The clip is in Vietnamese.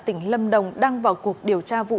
tỉnh lâm đồng đang vào cuộc điều tra vụ